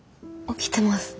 起きてます。